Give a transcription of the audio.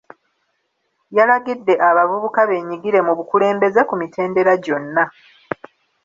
Yalagidde abavubuka benyigire mu bukulembeze ku mitendera gyonna.